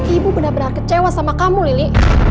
ibu benar benar kecewa sama kamu lili